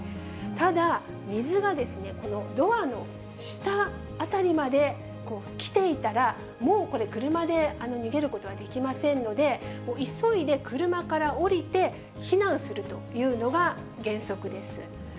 ただ、水がですね、このドアの下辺りまで来ていたら、もうこれ、車で逃げることはできませんので、急いで車から降りて、避難するというのが原則です。